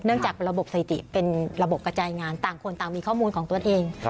จากระบบสถิติเป็นระบบกระจายงานต่างคนต่างมีข้อมูลของตัวเอง